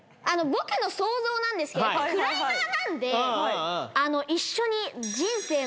僕の想像なんですけどクライマーなんで。